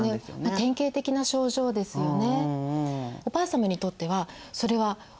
典型的な症状ですよね。